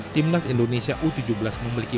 timnas indonesia u tujuh belas memiliki